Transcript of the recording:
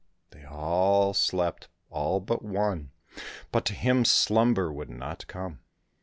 They all slept, all but one, but to him slumber would not come.